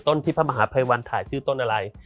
ที่พระมหาภัยวันถ่ายชื่อต้นอะไร